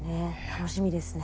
楽しみですね。